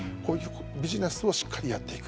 ビジネスをしっかりやっていく。